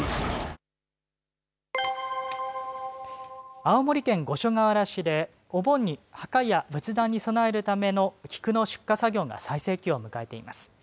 青森県五所川原市でお盆に墓や仏壇に供えるための菊の出荷作業が最盛期を迎えています。